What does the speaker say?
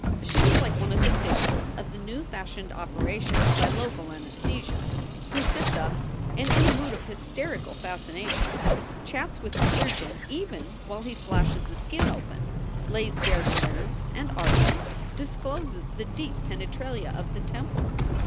She was like one of the victims of the new fashioned operations by local anaesthesia who sits up and in a mood of hysterical fascina tion chats with the surgeon even while he slashes the skin open, lays bare the nerves and arteries, discloses the deep penetralia of the temple.